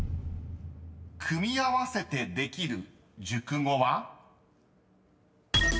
［組み合わせてできる熟語は？］